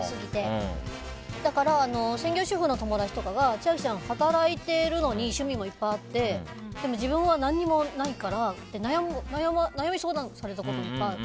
だから、専業主婦の友達とかが千秋ちゃんは働いてるのに趣味もいっぱいあってでも自分は何もないから悩み相談されたこといっぱいある。